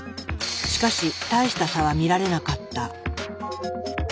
しかし大した差は見られなかった。